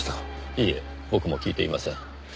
いいえ僕も聞いていません。